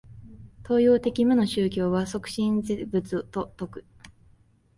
東洋的無の宗教は即心是仏と説く。